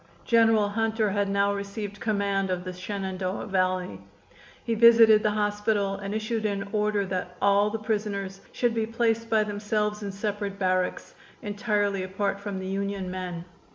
General Hunter had now received command of the Shenandoah Valley. He visited the hospital and issued an order that all the prisoners should be placed by themselves in separate barracks entirely apart from the Union men.